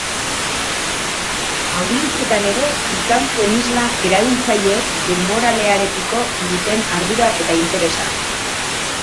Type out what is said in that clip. Audientzietan ere izan zuen isla erabiltzaileek denboralearekiko duten ardura eta interesa.